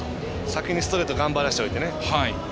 先にストレート頑張らせておいてね。